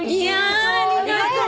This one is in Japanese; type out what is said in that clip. ありがとう！